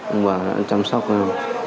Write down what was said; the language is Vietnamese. ông bà đã chăm sóc em